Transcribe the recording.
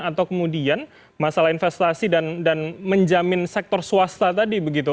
atau kemudian masalah investasi dan menjamin sektor swasta tadi begitu